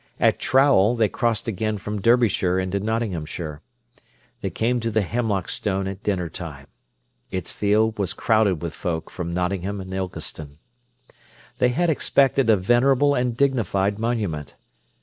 At Trowell they crossed again from Derbyshire into Nottinghamshire. They came to the Hemlock Stone at dinner time. Its field was crowded with folk from Nottingham and Ilkeston. They had expected a venerable and dignified monument.